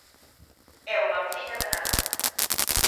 É unha veciña de Narón.